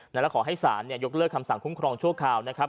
แล้วก็ขอให้ศาลยกเลิกคำสั่งคุ้มครองชั่วคราวนะครับ